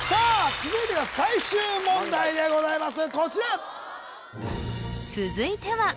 続いては最終問題でございます